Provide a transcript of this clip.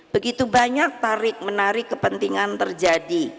begitu banyak tarik menarik kepentingan terjadi